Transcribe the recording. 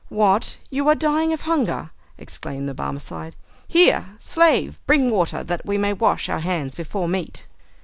"What, you are dying of hunger?" exclaimed the Barmecide. "Here, slave; bring water, that we may wash our hands before meat!"